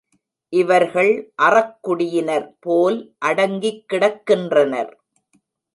இவர்கள் அறக்குடியினர் போல் அடங்கிக் கிடக்கின்றனர்.